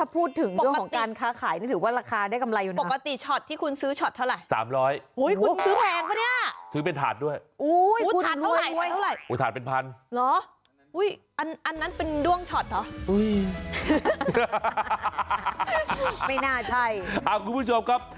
ถ้าพูดถึงด้วยของการค้าขายนี่ถือว่าราคาได้กำไรอยู่นะครับ